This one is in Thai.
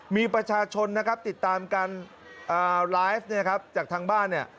มีประชาชนติดตามการไลฟ์จากทางบ้าน